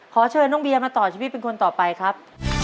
ขอเชิญน้องเบียมาต่อชีวิตเป็นคนต่อไปครับ